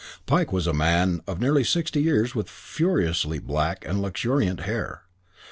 Pike was a man of nearly sixty with furiously black and luxuriant hair.